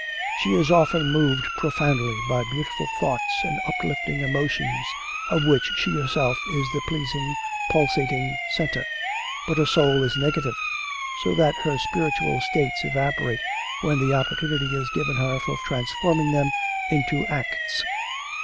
She is often moved profoundly by beautiful thoughts and uplifting emotions of which she herself is the pleasing, pulsating centre; but her soul is negative, so that her spiritual states evaporate when the opportunity is given her for transforming them into acts.